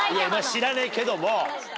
知らねえけども。